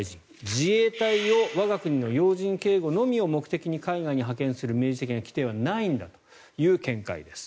自衛隊を我が国の要人警護のみを目的に海外に派遣する明示的な規定はないんだという見解です。